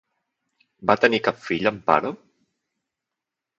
Va tenir cap fill Amparo?